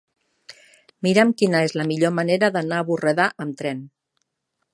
Mira'm quina és la millor manera d'anar a Borredà amb tren.